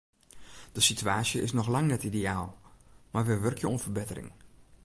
De situaasje is noch lang net ideaal, mar wy wurkje oan ferbettering.